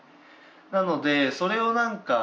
なのでそれをなんか。